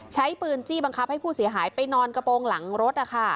ใช้ปืนจี้บังคับให้ผู้เสียหายไปนอนกระโปรงหลังรถ